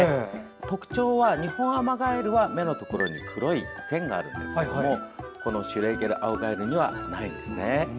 特徴は、ニホンアマガエルは目のところに黒い線があるんですけどこのシュレーゲルアオガエルにはないんです。